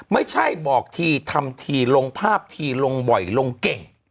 ไม่ใช่บอกทีทำทีลงภาพทีลงบ่อยลงเก่ง